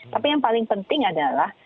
tapi yang paling penting adalah